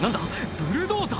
ブルドーザー？